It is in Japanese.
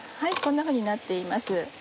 こんなふうになっています。